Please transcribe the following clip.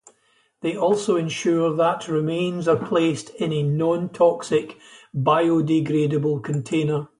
They also ensure that remains are placed into a non-toxic, biodegradable container.